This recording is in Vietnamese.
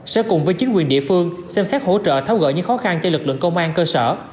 sẽ cùng với chính quyền địa phương xem xét hỗ trợ tháo gỡ những khó khăn cho lực lượng công an cơ sở